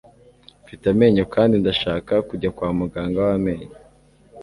mfite amenyo kandi ndashaka kujya kwa muganga w'amenyo